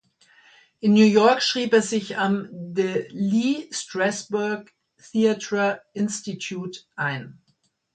In New York schrieb er sich am The Lee Strasberg Theatre Institute ein.